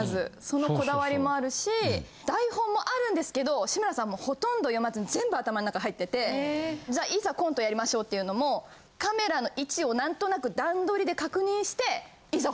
そのこだわりもあるし台本もあるんですけど志村さんほとんど読まずに全部頭の中入っててじゃあいざコントやりましょうっていうのもカメラの位置をなんとなく段どりで確認していざ